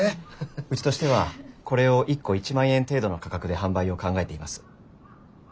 うちとしてはこれを１個１万円程度の価格で販売を考えています。